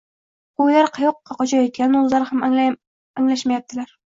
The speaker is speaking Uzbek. Qo’ylar qayoqqa qochayotganini o’zlari ham anglashmabdilar